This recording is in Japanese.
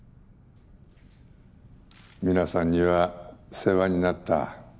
皆さんには世話になった。